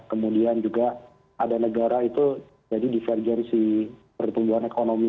kemudian juga ada negara itu jadi divergensi pertumbuhan ekonomi